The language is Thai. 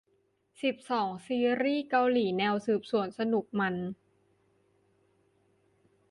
สิบสอง ซีรีส์เกาหลีแนวสืบสวน สนุก มัน